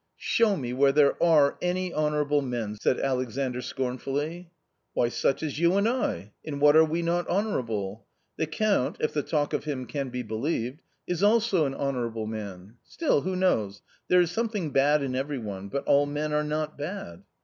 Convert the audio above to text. " Show me where there are any honourable men ?" said Alexandr scornfully. " Why, such as you and I ; in what are we not honour able ? The Count — if the talk of him can be believed — is also an honourable man ; still, who knows ? there is some thing bad in every one ; but all men are not bad."